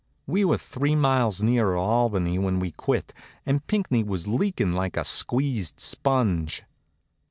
We were three miles nearer Albany when we quit, and Pinckney was leakin' like a squeezed sponge.